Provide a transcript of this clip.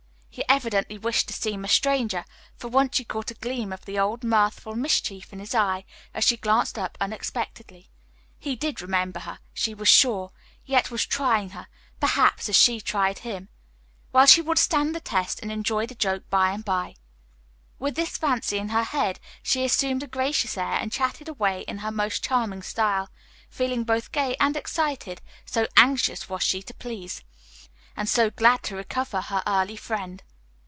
He evidently wished to seem a stranger, for once she caught a gleam of the old, mirthful mischief in his eye, as she glanced up unexpectedly. He did remember her, she was sure, yet was trying her, perhaps, as she tried him. Well, she would stand the test and enjoy the joke by and by. With this fancy in her head she assumed a gracious air and chatted away in her most charming style, feeling both gay and excited, so anxious was she to please, and so glad to recover her early friend.